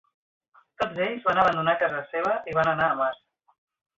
Tots ells van abandonar casa seva i van anar a Mart.